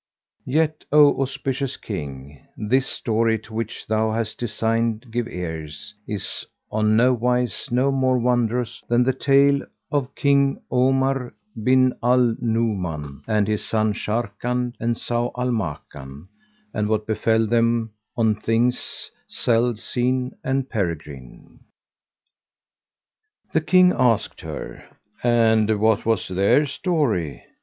Yet, O auspicious King, this story to which thou hast deigned give ear is on no wise more wondrous than the Tale Of King Omar Bin Al Nu'uman And His Sons Sharrkan and Zau Al Makan, and What Befel Them of Things Seld Seen and Peregrine.[FN#138] The King asked her, "And what was their story?"